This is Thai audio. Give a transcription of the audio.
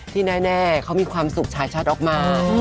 ที่แน่เขามีความสุขฉายชัดออกมา